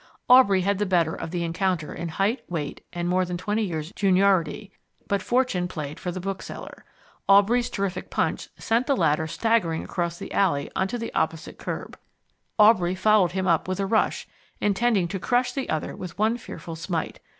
Aubrey had the better of the encounter in height, weight, and more than twenty years juniority, but fortune played for the bookseller. Aubrey's terrific punch sent the latter staggering across the alley onto the opposite curb. Aubrey followed him up with a rush, intending to crush the other with one fearful smite.